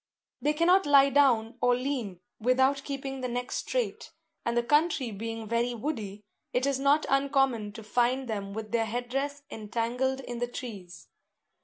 They cannot lie down, or lean, without keeping the neck straight; and the country being very woody, it is not uncommon to find them with their head dress entangled in the trees.